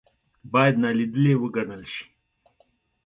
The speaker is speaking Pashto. باید نا لیدلې وګڼل شي.